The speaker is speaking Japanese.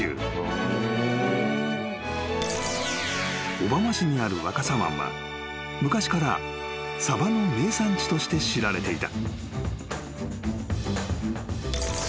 ［小浜市にある若狭湾は昔からサバの名産地として知られていた］